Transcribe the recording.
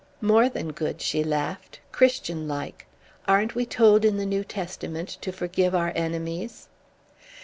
"More than good," she laughed. "Christianlike. Aren't we told in the New Testament to forgive our enemies?"